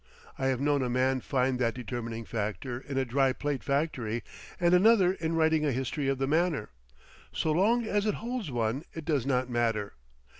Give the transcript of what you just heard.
I have known a man find that determining factor in a dry plate factory, and another in writing a history of the Manor. So long as it holds one, it does not matter.